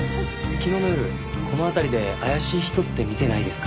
昨日の夜この辺りで怪しい人って見てないですか？